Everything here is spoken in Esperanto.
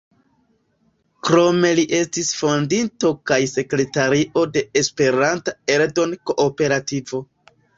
Krome li estis fondinto kaj sekretario de Esperanta Eldon-Kooperativo.